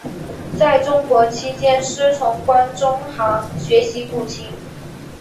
在中国期间师从关仲航学习古琴。